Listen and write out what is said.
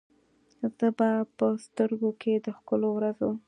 زه به په سترګو کې، د ښکلو ورځو،